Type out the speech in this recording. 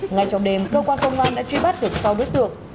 ngay trong đêm cơ quan công an đã truy bắt được sáu đối tượng